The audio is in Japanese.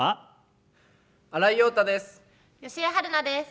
新井庸太です。